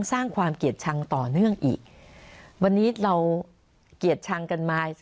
สร้างความเกลียดชังต่อเนื่องอีกวันนี้เราเกลียดชังกันมา